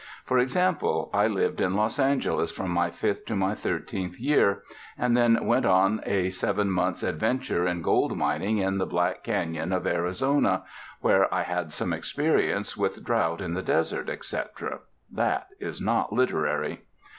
For example: I lived in Los Angeles from my 5th to my 13th year, and then went on a seven months' adventure in gold mining in the Black Cañon of Arizona, where I had some experience with drouth in the desert, etc. That is not 'literary.'